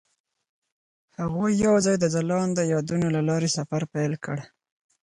هغوی یوځای د ځلانده یادونه له لارې سفر پیل کړ.